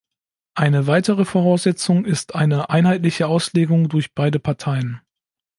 Eine weitere Voraussetzung ist eine einheitliche Auslegung durch beide Parteien.